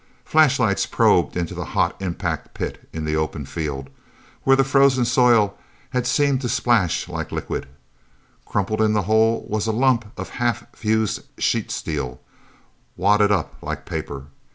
Flashlights probed into the hot impact pit in the open field, where the frozen soil had seemed to splash like a liquid. Crumpled in the hole was a lump of half fused sheet steel, wadded up like paper.